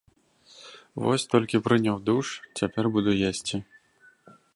Вось толькі прыняў душ, цяпер буду есці.